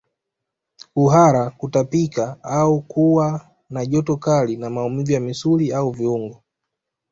Kuhara kutapika au kuwa kuwa na joto kali na maumivu ya misuli au viungo